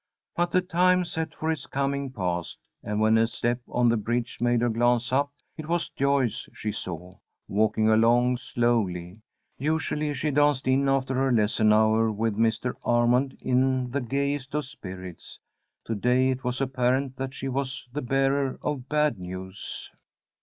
But the time set for his coming passed, and when a step on the bridge made her glance up, it was Joyce she saw, walking along slowly. Usually she danced in after her lesson hour with Mr. Armond in the gayest of spirits. To day it was apparent that she was the bearer of bad news.